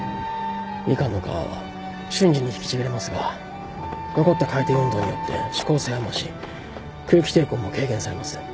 ミカンの皮は瞬時に引きちぎれますが残った回転運動によって指向性は増し空気抵抗も軽減されます。